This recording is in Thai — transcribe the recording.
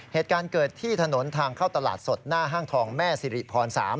เหตุการณ์เกิดที่ถนนทางเข้าตลาดสดหน้าห้างทองแม่สิริพร๓